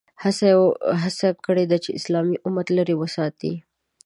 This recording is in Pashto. هڅه یې کړې ده چې اسلامي امت لرې وساتي.